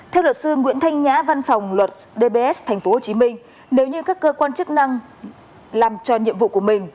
theo luật sư nguyễn thanh nhã văn phòng luật dbs tp hcm nếu như các cơ quan chức năng làm tròn nhiệm vụ của mình